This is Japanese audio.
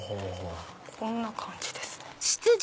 こんな感じですね。